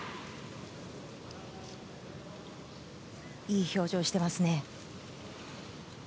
いい表情してますね。